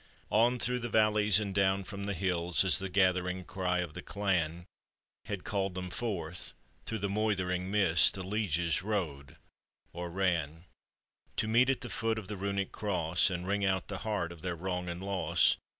On through the valleys, and down from the hills, As the gathering cry of the clan Had called them forth, through the moither ing mist The lieges rode or ran To meet at the foot of the runic cross, And wring out the heart of their wrong and loss.